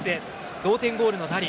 同点ゴールのダリ。